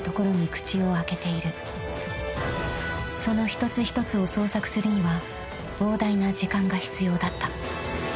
［その一つ一つを捜索するには膨大な時間が必要だった］